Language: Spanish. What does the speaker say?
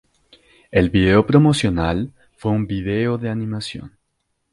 El video promocional fue un vídeo de animación.